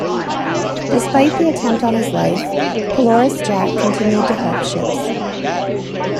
Despite the attempt on his life, Pelorus Jack continued to help ships.